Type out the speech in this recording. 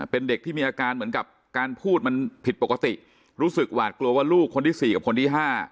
เป็นเด็กที่มีอาการเหมือนกับการพูดมันผิดปกติรู้สึกหวาดกลัวว่าลูกคนที่๔กับคนที่๕